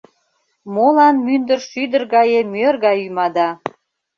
Молан мӱндыр шӱдыр гае мӧр гай ӱмада?